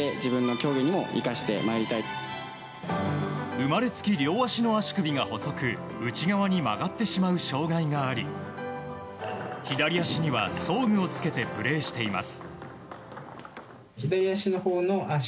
生まれつき両足の足首が細く内側に曲がってしまう障害があり左足には装具を着けてプレーしています。